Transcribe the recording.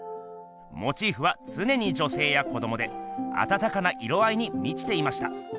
モチーフはつねに女せいや子どもであたたかな色合いにみちていました。